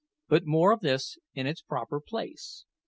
But more of this in its proper place.